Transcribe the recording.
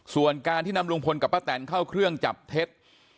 ส่วนการที่นำลุงพลกับป้าแตนเข้าเครื่องจับเท็จ